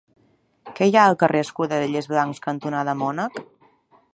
Què hi ha al carrer Escudellers Blancs cantonada Mònec?